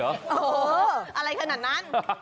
โอ้โหอะไรขนาดนั้น